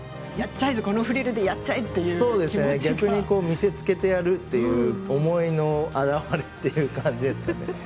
ちゃえこのフリルでやっちゃえという逆に見せつけてやるという思いの表れという感じですね。